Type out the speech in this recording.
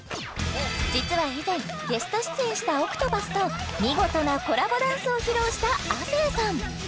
実は以前ゲスト出演したＯＣＴＰＡＴＨと見事なコラボダンスを披露した亜生さん